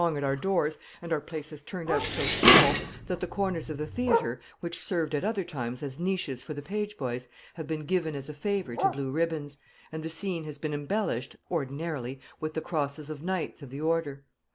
So great has been the throng at our doors, and our place has turned out so small, that the corners of the theatre, which served at other times as niches for the pageboys, have been given as a favor to blue ribbons, and the scene has been embellished, ordinarily, with the crosses of knights of the order."